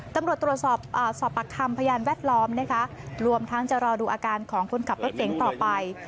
ตำรวจตรวจสอบสอบปากคำพยานแวดล้อมนะคะรวมทั้งจะรอดูอาการของคนขับรถเก๋งต่อไป